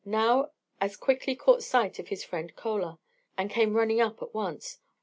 Nao as quickly caught sight of his friend Chola, and came running up at once.